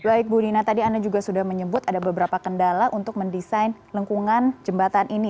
baik bu dina tadi anda juga sudah menyebut ada beberapa kendala untuk mendesain lengkungan jembatan ini